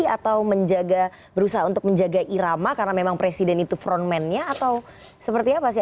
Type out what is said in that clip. atau menjaga berusaha untuk menjaga irama karena memang presiden itu frontman nya atau seperti apa sih